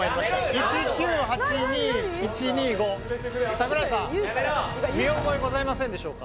１９８２１２５櫻井さん見覚えございませんでしょうか？